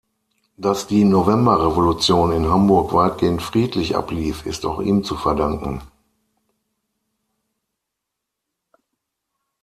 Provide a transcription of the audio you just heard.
Dass die Novemberrevolution in Hamburg weitgehend friedlich ablief, ist auch ihm zu verdanken.